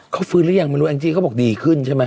เขาฟื้นได้ยังไม่รู้อ่ะจริงเขาบอกดีขึ้นใช่มั้ย